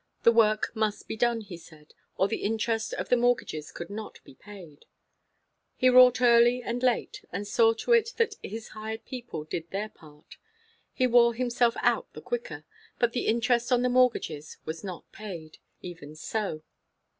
The work must be done, he said, or the interest on the mortgages could not be paid. He wrought early and late, and saw to it that his hired people did their part; he wore himself out the quicker; but the interest on the mortgages was not paid, even so.